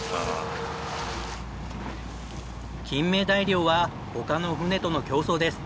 金目鯛漁は他の船との競争です。